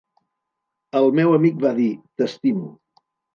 El meu amic va dir: "T'estimo".